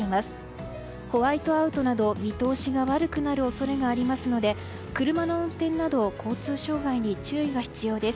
ホワイトアウトなど、見通しが悪くなる恐れがありますので車の運転など交通障害に注意が必要です。